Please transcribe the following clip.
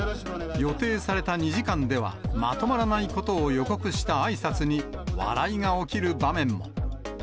予定された２時間ではまとまらないことを予告したあいさつに、笑いが起きる場面も。